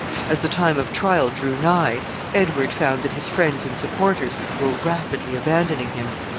As the time of trial drew nigh, Edward found that his friends and supporters were rapidly abandoning him.